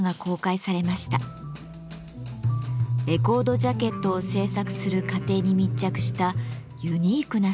レコードジャケットを制作する過程に密着したユニークな作品です。